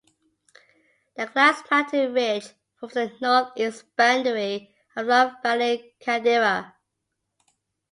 The Glass Mountain Ridge forms the northeast boundary of Long Valley Caldera.